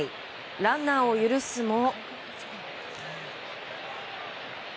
ランナーを許すも。